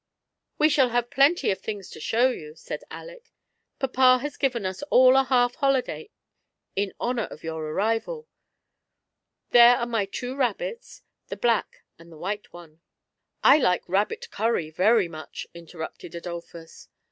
We shall have plenty of things to show you," said Aleck; "papa has given us all a half holiday in honour of your arrival There are my two rabbits, the black and the white one." " I like rabbit cuiTy very much," interrupted Adolphus.